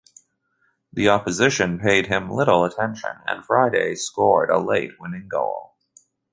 The opposition paid him little attention and Friday scored a late winning goal.